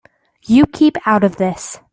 You keep out of this.